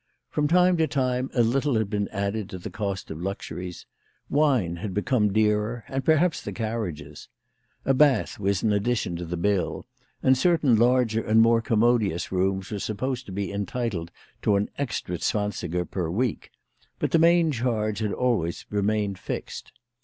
From time to time a little had been added to the cost of luxuries. "Wine had become dearer, and perhaps the carriages. A bath was an addition to the bill, and certain larger and more com modious rooms were supposed to be entitled to an extra zwansiger per week ; but the main charge had always remained fixed.